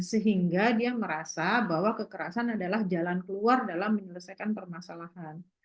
sehingga dia merasa bahwa kekerasan adalah jalan keluar dalam menyelesaikan permasalahan